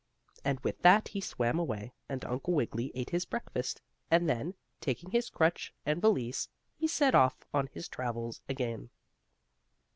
And with that he swam away, and Uncle Wiggily ate his breakfast, and then, taking his crutch and valise, he set off on his travels again.